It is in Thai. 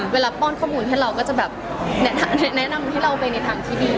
ป้อนข้อมูลให้เราก็จะแบบแนะนำให้เราไปในทางที่ดี